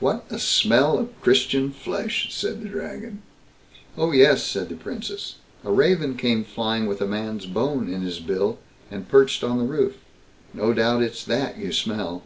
"What a smell of Christian flesh", said the Dragon. "Oh, yes", said the Princess, "a raven came flying with a man's bone in his bill, and perched on the roof. No doubt it's that you smell."